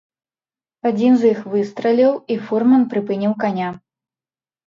Адзін з іх выстраліў, і фурман прыпыніў каня.